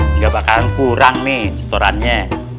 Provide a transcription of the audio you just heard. enggak bakalan kurang nih setorannya